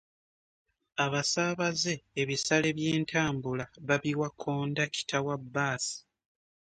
Abasaabaze ebisale by'entambula babiwa kondakita wa bbaasi.